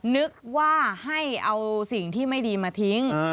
นึกว่าให้เอาสิ่งที่ไม่ดีมาทิ้ง